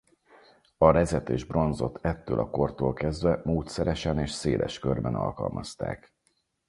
A rezet és bronzot ettől a kortól kezdve módszeresen és széles körben alkalmazták.